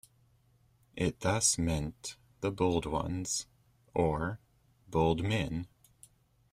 It thus meant "the Bold ones" or "Bold men".